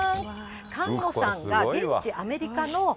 菅野さんが現地アメリカの。